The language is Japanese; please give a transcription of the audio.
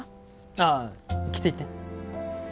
ああ着ていって。